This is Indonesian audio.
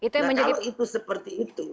nah kalau itu seperti itu